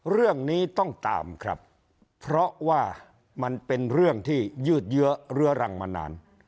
เรื่องนี้ต้องตามครับเพราะว่ามันเป็นเรื่องที่ยืดเยื้อเรื้อรังมานาน